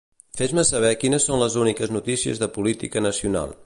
Fes-me saber quines són les últimes notícies de política nacional.